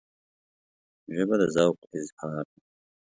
ژبه د ذوق اظهار ده